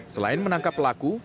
selain menangkap pelaku